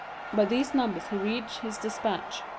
By these numbers he reads his despatch.